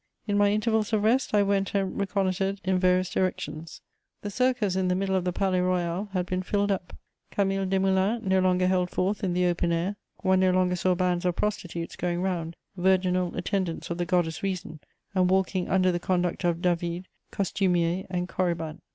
In my intervals of rest, I went and reconnoitred in various directions. The Circus in the middle of the Palais Royal had been filled up; Camille Desmoulins no longer held forth in the open air; one no longer saw bands of prostitutes going round, virginal attendants of the goddess Reason, and walking under the conduct of David, costumier and corybant.